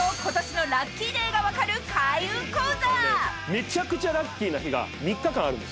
めちゃくちゃラッキーな日が３日間あるんです。